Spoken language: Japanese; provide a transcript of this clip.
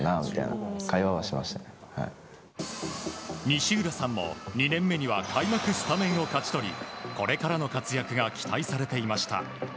西浦さんも２年目には開幕スタメンを勝ち取りこれからの活躍が期待されていました。